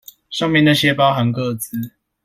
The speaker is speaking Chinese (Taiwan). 上面那個包含個資